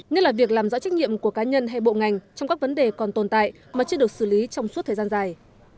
như là việc làm rõ trách nhiệm của cá nhân hay bộ ngành trong các vấn đề còn tồn tại mà chưa được xử lý trong suốt thời gian dài